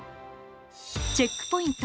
チェックポイント